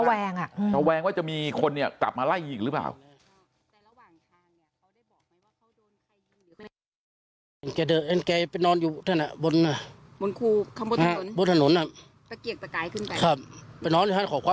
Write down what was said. เขาระแวงว่าจะมีคนตัดมาไล่อีกหรือเปล่า